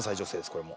これも。